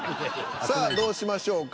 さあどうしましょうか？